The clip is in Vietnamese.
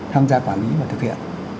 tham gia quản lý và thực hiện